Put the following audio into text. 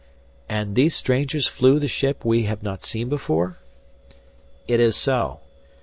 "And these strangers flew the ship we have not seen before?" "It is so.